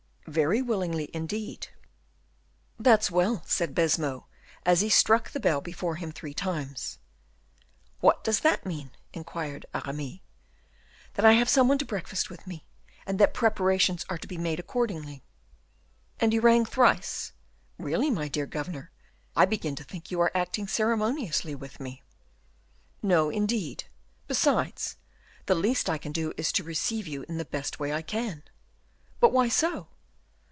"Very willingly, indeed." "That's well," said Baisemeaux, as he struck the bell before him three times. "What does that mean?" inquired Aramis. "That I have some one to breakfast with me, and that preparations are to be made accordingly." "And you rang thrice. Really, my dear governor, I begin to think you are acting ceremoniously with me." "No, indeed. Besides, the least I can do is to receive you in the best way I can." "But why so?"